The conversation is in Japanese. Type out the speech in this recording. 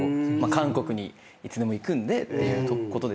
韓国にいつでも行くんでっていうことですけど。